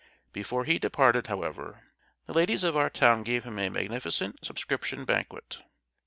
Before he departed, however, the ladies of our town gave him a magnificent subscription banquet.